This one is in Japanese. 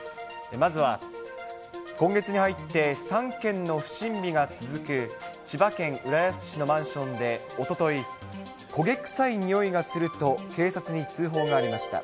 まずは今月に入って３件の不審火が続く千葉県浦安市のマンションでおととい、焦げ臭いにおいがすると、警察に通報がありました。